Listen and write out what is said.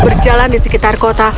seperti raksasa berjalan di sekitar kota